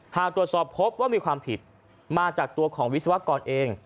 หากตรวจสอบพบว่ามีความผิดมาจากตัวของวิศวกรเอง